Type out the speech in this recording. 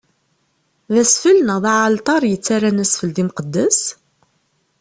D asfel, neɣ d aɛalṭar yettarran asfel d imqeddes?